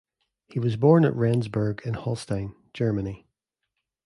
He was born at Rendsburg in Holstein, Germany.